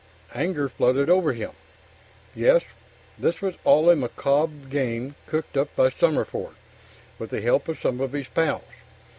Anger flooded over him. Yes, this was all a macabre game cooked up by Summerford, with the help of some of his pals.